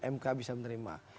mk bisa menerima